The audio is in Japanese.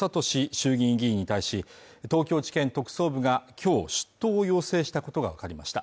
衆議院議員に対し東京地検特捜部が今日出頭を要請したことが分かりました